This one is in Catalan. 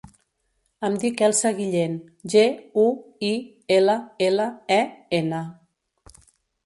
Em dic Elsa Guillen: ge, u, i, ela, ela, e, ena.